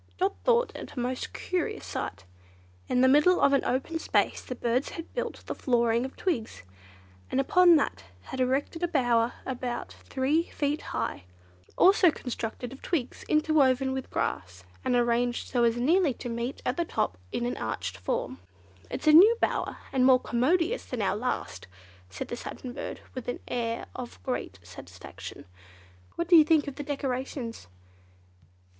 Dot thought it a most curious sight. In the middle of an open space the birds had built the flooring of twigs, and upon that they had erected a bower about three feet high, also constructed of twigs interwoven with grass, and arranged so as nearly to meet at the top in an arched form. "It's a new bower, and more commodious than our last," said the Satin Bird with an air of great satisfaction. "What do you think of the decorations?"